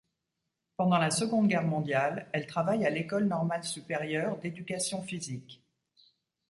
Pendant la Seconde Guerre mondiale, elle travaille à 'École Normale Supérieure d'Éducation Physique.